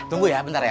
tunggu ya bentar ya